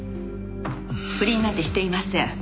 不倫なんてしていません。